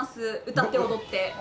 歌って踊って。